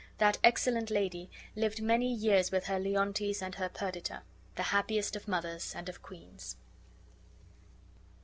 That excellent lady lived many years with her Leontes and her Perdita, the happiest of mothers and of queens.